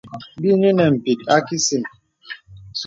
Bìsua bìnə nə̀ m̀bìt a kìsìn.